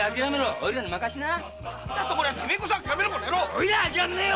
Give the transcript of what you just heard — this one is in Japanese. おいらは諦めねえよ！